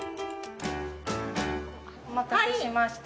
お待たせしました。